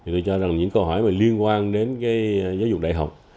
tôi cho rằng những câu hỏi mà liên quan đến giáo dục đại học